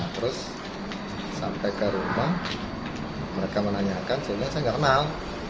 terus sampai ke rumah mereka menanyakan seolah olah saya tidak kenal